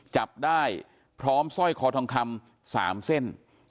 จับได้พร้อมสร้อยคอทองคำ๓เส้น